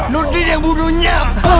nurdin yang bunuhnya